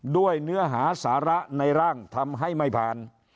ด้วยเนื้อหาสาระในร่างทำให้ไม่ผ่าน